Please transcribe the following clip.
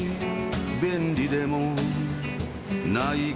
「便利でもないけど」